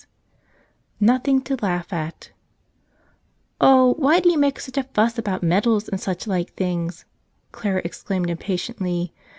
78 jSotin'ng to iLaugl) at OH, WHY do you make such a fuss about medals and such like things!" Clara ex¬ claimed impatiently.